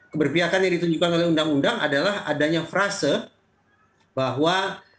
keberpihakan yang ditunjukkan oleh undang undang adalah adanya frase bahwa